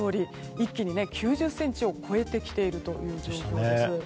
一気に９０ｃｍを超えてきている状況です。